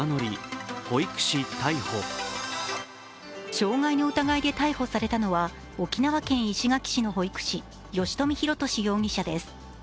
傷害の疑いで逮捕されたのは沖縄県石垣市の保育士、吉冨弘敏容疑者です。